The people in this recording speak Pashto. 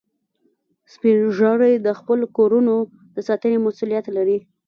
سپین ږیری د خپلو کورو د ساتنې مسئولیت لري